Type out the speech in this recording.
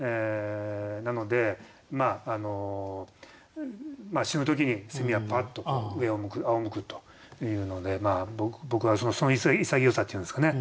なので死ぬ時にはパーッと上を向くあおむくというので僕はその潔さというんですかね